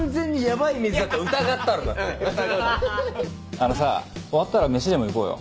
あのさ終わったら飯でも行こうよ